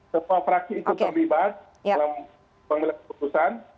semua fraksi itu terlibat dalam pengambilan keputusan